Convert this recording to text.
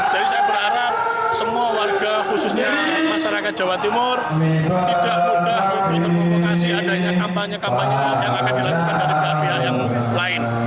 jadi saya berharap semua warga khususnya masyarakat jawa timur tidak mudah untuk provokasi adanya kampanye kampanye yang akan dilakukan dari pihak pihak yang lain